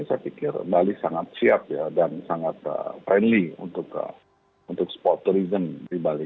saya pikir bali sangat siap dan sangat friendly untuk sport tourism di bali